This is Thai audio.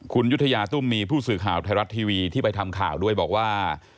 คุณยุธยาตุ้มมีผู้สื่อข่าวไทยรัฐทีวีที่ไปทำข่าวด้วยบอกว่า